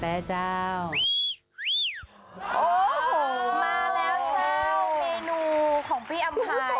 มาแล้วเจ้าเมนูของพี่อำไพย